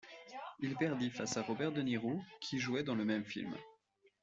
Il perdit face à Robert De Niro, qui jouait dans le même film.